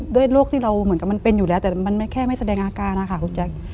โรคที่เราเหมือนกับมันเป็นอยู่แล้วแต่มันไม่แค่ไม่แสดงอาการนะคะคุณแจ๊ค